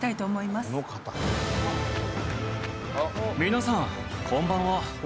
皆さんこんばんは。